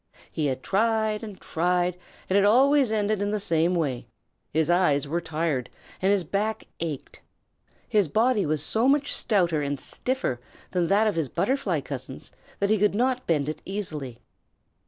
He had tried and tried, and it always ended in the same way his eyes were tired and his back ached. His body was so much stouter and stiffer than that of his butterfly cousins that he could not bend it easily.